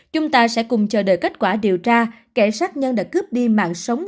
chúng ta sẽ cùng chờ đợi kết quả điều tra kẻ sát nhân đã cướp đi mạng sống